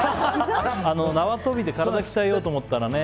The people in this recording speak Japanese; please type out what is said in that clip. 縄跳びで体を鍛えようと思ったらね。